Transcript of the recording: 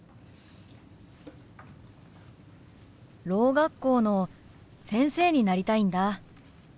ろう学校の先生になりたいんだ。